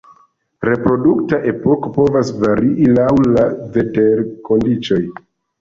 Reprodukta epoko povas varii laŭ la veterkondiĉoj.